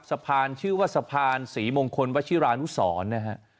สะพานชื่อว่าสะพานศรีมงคลวชิรานุสรนะฮะ